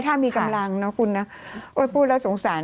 ถ้ามีกำลังเนาะคุณนะโอ้ยพูดแล้วสงสาร